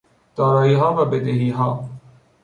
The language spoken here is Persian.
داراییها و بدهیها